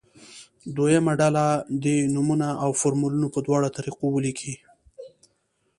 دویمه ډله دې نومونه او فورمولونه په دواړو طریقه ولیکي.